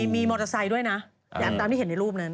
มีมอเตอร์ไซค์ด้วยนะตามที่เห็นในรูปนั้น